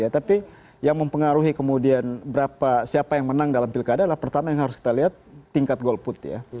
tapi yang mempengaruhi kemudian siapa yang menang dalam pilkada adalah pertama yang harus kita lihat tingkat golput ya